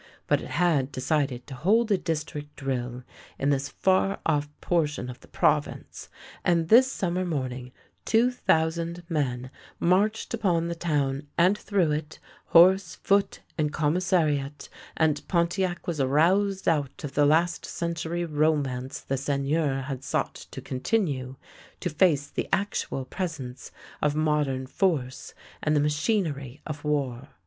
But it had decided to hold a district drill in this far off portion of the pro vince; and this summer morning two thousand men marched upon the town and through it, horse, foot, and commissariat, and Pontiac was roused out of the last century romance the Seigneur had sought to con tinue, to face the actual presence of modern force and the machinery of war.